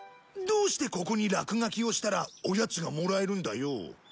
どうしてここに落書きをしたらおやつがもらえるんだよ？